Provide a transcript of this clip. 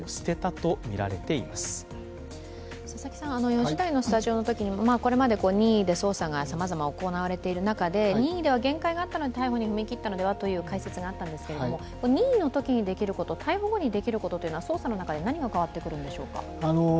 ４時台のスタジオのときに、これまでさまざま、行われている中任意では限界があったので、逮捕に踏み切ったのではという解説があったんですけれども、任意のときにできること、逮捕後にできること、捜査の中で何が変わってくるのでしょうか。